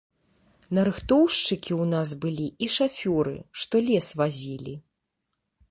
Нарыхтоўшчыкі ў нас былі і шафёры, што лес вазілі.